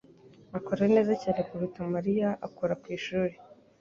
akora neza cyane kuruta Mariya akora kwishuri.